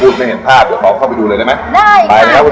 พูดไม่เห็นพลาดเดี๋ยวตอบเข้าไปดูเลยได้ไหม